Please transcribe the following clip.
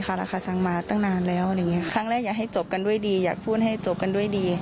ครั้งแรกอยากให้จบกันด้วยดีอยากพูดให้จบกันด้วยดี